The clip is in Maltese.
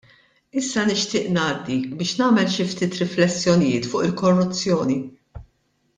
Issa nixtieq ngħaddi biex nagħmel xi ftit riflessjonijiet fuq il-korruzzjoni.